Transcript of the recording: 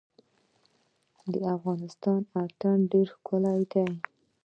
د افغانستان اتن ډیر ښکلی دی